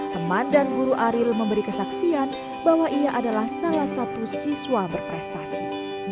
teman dan guru ariel memberi kesaksian bahwa ia adalah salah satu siswa berprestasi